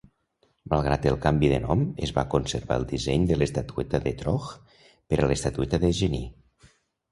Malgrat el canvi de nom, es va conservar el disseny de l'estatueta d'Etrog per a l'estatueta de Genie.